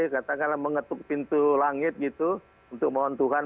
katakanlah mengetuk pintu langit gitu untuk mohon tuhan